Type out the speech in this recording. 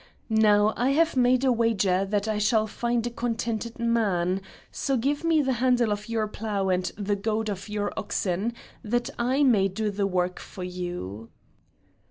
Now I have made a wager that I shall find a contented man; so give me the handle of your plough and the goad of your oxen, that I may do the work for you."